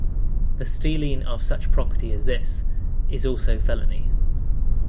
The stealing of such property as this, is also felony.